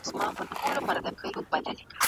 غوره برخلیک یوازي مستحقو ته نه سي منسوبېدلای.